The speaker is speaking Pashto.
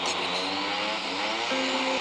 لا سلمان یې سر ته نه وو درېدلی !.